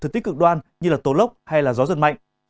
thực tích cực đoan như tố lốc hay gió giật mạnh